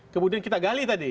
kemudian kita gali tadi